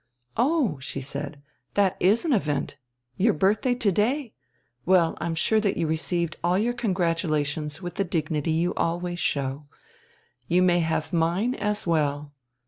"Oh," she said, "that is an event. Your birthday to day? Well, I'm sure that you received all your congratulations with the dignity you always show. You may have mine as well!